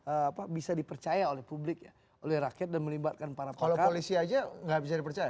apa bisa dipercaya oleh publik ya oleh rakyat dan melibatkan para polisi aja nggak bisa dipercaya